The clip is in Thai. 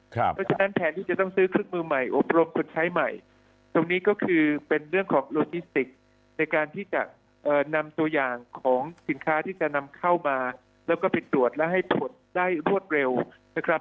เพราะฉะนั้นแทนที่จะต้องซื้อเครื่องมือใหม่อบรมคนใช้ใหม่ตรงนี้ก็คือเป็นเรื่องของโลจิสติกในการที่จะนำตัวอย่างของสินค้าที่จะนำเข้ามาแล้วก็ไปตรวจและให้ตรวจได้รวดเร็วนะครับ